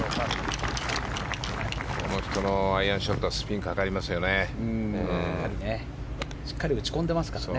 この人のアイアンショットスピンがかかりますよね。